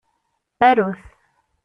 Aru-t.